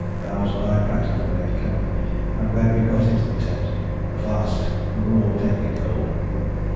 Bowers and I practically made camp, and when we got into the tent at last we were all deadly cold.